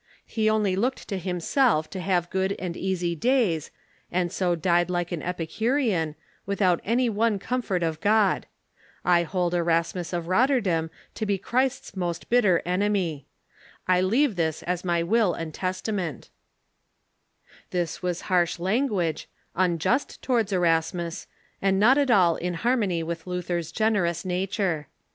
He only looked to himself to have good and easy days, and so died like an Epicurean, without any one comfort of God. I hold Erasmus of Rotterdam to be Christ's most bitter enemy. I leave this as my will and testament," This was hai'sh lan guage, unjust towards Erasmus, and not at all in harmony with Luther's generous nature.